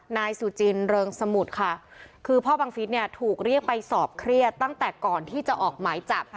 นายสุจินเริงสมุทรค่ะคือพ่อบังฟิศเนี่ยถูกเรียกไปสอบเครียดตั้งแต่ก่อนที่จะออกหมายจับค่ะ